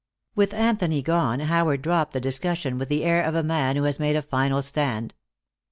With Anthony gone, Howard dropped the discussion with the air of a man who has made a final stand.